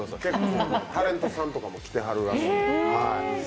タレントさんとかも来てはるみたい。